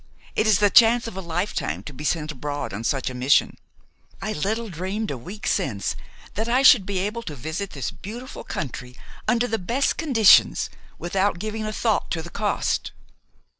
It is the chance of a lifetime to be sent abroad on such a mission. I little dreamed a week since that I should be able to visit this beautiful country under the best conditions without giving a thought to the cost."